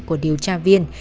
của điều tra viên